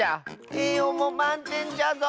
えいようもまんてんじゃぞ！